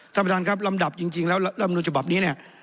สำคัญครับลำดับจริงแล้วลำนุชบับนี้เนี่ย